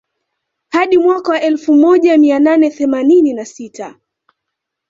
Hadi mwaka wa elfu mija mia nane themanini na sita